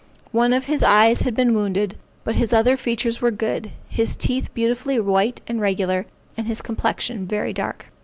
One of his eyes had been wounded, but his other features were good, his teeth beautifully white and regular, and his complexion very dark.